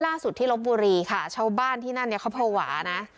ล่าสุดที่ลบบุรีค่ะชาวบ้านที่นั่นเนี่ยเขาภาวะนะ